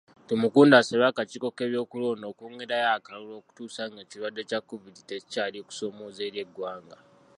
Tumukunde asabye akakiiko k'ebyokulonda okwongerayo akalulu okutuusa ng'ekirwadde kya Kovidi tekikyali kusoomooza eri eggwanga.